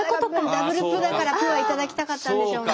ダブル「プ」だから「プ」は頂きたかったんでしょうね。